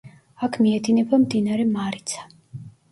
აქ მიედინება მდინარე მარიცა.